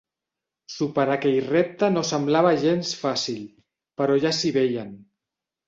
Superar aquell repte no semblava gens fàcil, però ja s'hi veien.